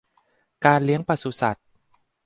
การเลี้ยงปศุสัตว์